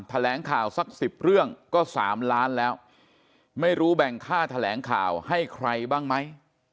แถลงข่าวสัก๑๐เรื่องก็๓ล้านแล้วไม่รู้แบ่งค่าแถลงข่าวให้ใครบ้างไหม